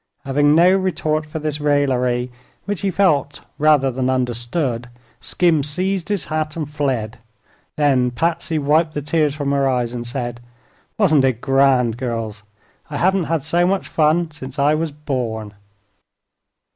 Having no retort for this raillery, which he felt rather than understood, Skim seized his hat and fled. Then Patsy wiped the tears from her eyes and said: "Wasn't it grand, girls? I haven't had so much fun since I was born."